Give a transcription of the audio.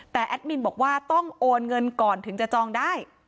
แต่แอดมินบอกว่าต้องโอนเงินก่อนถึงจะจองได้